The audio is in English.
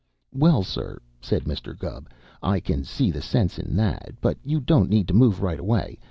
"Well, sir," said Mr. Gubb, "I can see the sense of that. But you don't need to move right away.